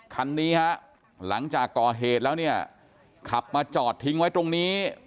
คันนี้ฮะหลังจากก่อเหตุแล้วเนี่ยขับมาจอดทิ้งไว้ตรงนี้